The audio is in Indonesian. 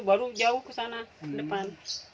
baru jauh ke sana ke depan